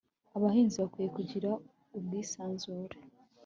abahanzi bakwiye kugira ubwisanzure